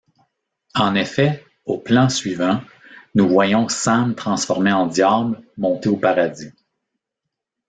En effet, au plan suivant, nous voyons Sam transformé en diable monter au paradis.